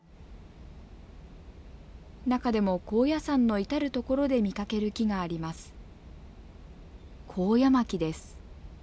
中でも高野山の至る所で見かける木があります。